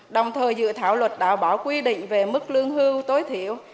đồng thời dự thảo luật đã bỏ quy định về mức lương hưu tối thiểu